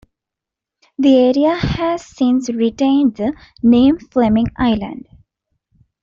The area has since retained the name Fleming Island.